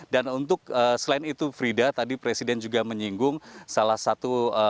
dan untuk selain itu frida tadi presiden juga menyinggung salah satu